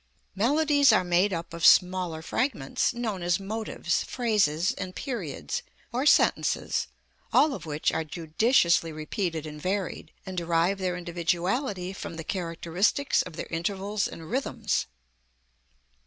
Melodies are made up of smaller fragments, known as motives, phrases and periods, or sentences, all of which are judiciously repeated and varied, and derive their individuality from the characteristics of their intervals and rhythms.